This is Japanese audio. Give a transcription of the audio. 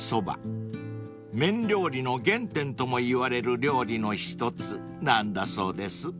［麺料理の原点ともいわれる料理の一つなんだそうです］